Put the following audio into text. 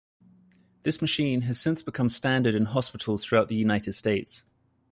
This machine has since become standard in hospitals throughout the United States.